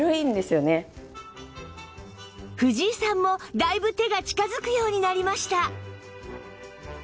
藤井さんもだいぶ手が近づくようになりました